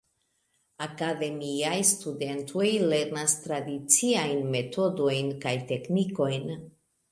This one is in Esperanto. Akademiaj studentoj lernas tradiciajn metodojn kaj teknikojn.